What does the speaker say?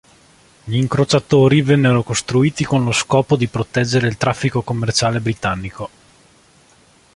Gli incrociatori vennero costruiti con lo scopo di proteggere il traffico commerciale britannico.